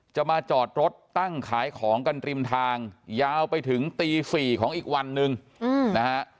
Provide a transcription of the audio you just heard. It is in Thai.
จะมาจอดรถตั้งขายของกันริมทางยาวไปถึงตี๔ของอีกวันหนึ่งนะฮะ